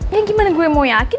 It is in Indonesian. ini gimana gue mau yakin